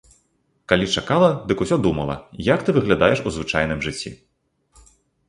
Калі чакала, дык усё думала, як ты выглядаеш у звычайным жыцці?